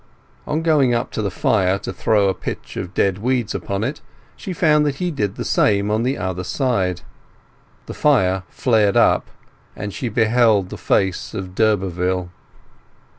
On going up to the fire to throw a pitch of dead weeds upon it, she found that he did the same on the other side. The fire flared up, and she beheld the face of d'Urberville.